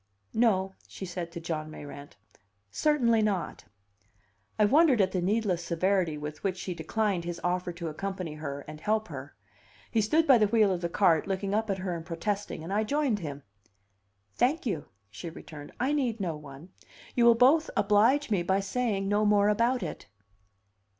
"No," she said to John Mayrant, "certainly not." I wondered at the needless severity with which she declined his offer to accompany her and help her. He stood by the wheel of the cart, looking up at her and protesting, and I joined him. "Thank you," she returned, "I need no one. You will both oblige me by saying no more about it."